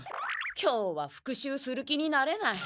今日は復習する気になれない。